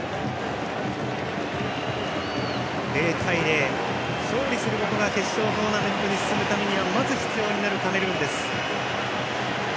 ０対０、勝利することが決勝トーナメントに進むためにはまず必要になるカメルーンです。